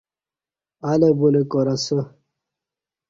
الہ بولہ کار اسہ